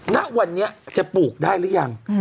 ณวันนี้จะปลูกได้หรือยัง